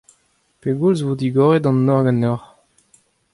Pegoulz e vo digoret an nor ganeoc'h ?